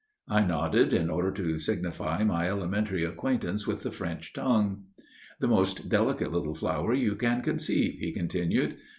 I nodded in order to signify my elementary acquaintance with the French tongue. "The most delicate little flower you can conceive," he continued.